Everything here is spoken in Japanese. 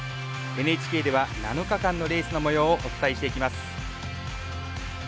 ＮＨＫでは７日間のレースのもようをお伝えしていきます。